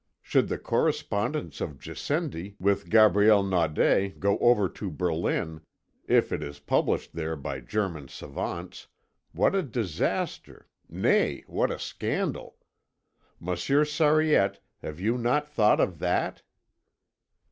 Should the correspondence of Gassendi with Gabriel Naudé go over to Berlin, if it is published there by German savants, what a disaster, nay, what a scandal! Monsieur Sariette, have you not thought of that?..."